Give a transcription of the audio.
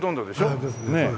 はいそうですね。